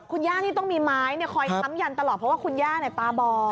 คุณไม้เนี่ยคอยซ้ำหยั่นตลอดเพราะว่าคุณย่าเนี่ยปราบอด